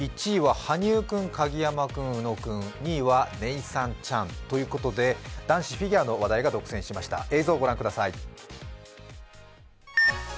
１位は羽生君鍵山君宇野君。２位はネイサン・チェンさんということで男子フィギュアの話題が独占しました。